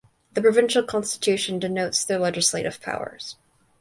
The Provincial Constitution denotes their legislative powers.